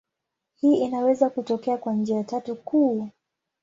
Hii inaweza kutokea kwa njia tatu kuu.